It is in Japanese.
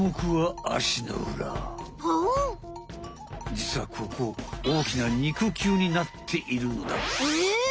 じつはここ大きな肉球になっているのだ！え？